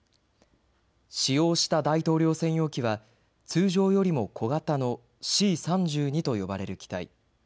使用した大統領専用機は通常よりも小型のＣ−３２と呼ばれる機体。